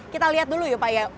kita lihat dulu ya pak ya